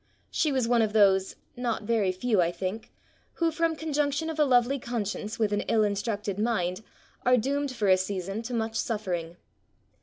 She was one of those not very few I think who from conjunction of a lovely conscience with an ill instructed mind, are doomed for a season to much suffering.